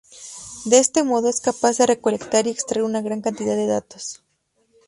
De este modo, es capaz de recolectar y extraer una gran cantidad de datos.